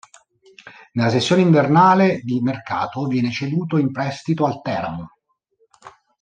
Nella sessione invernale di mercato viene ceduto in prestito al Teramo.